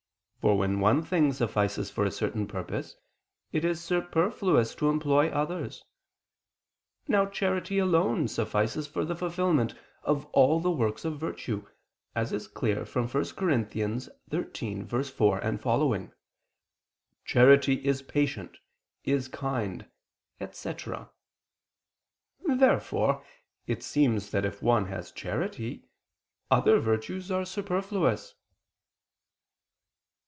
For when one thing suffices for a certain purpose, it is superfluous to employ others. Now charity alone suffices for the fulfilment of all the works of virtue, as is clear from 1 Cor. 13:4, seqq.: "Charity is patient, is kind," etc. Therefore it seems that if one has charity, other virtues are superfluous.